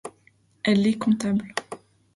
Elle est comptable.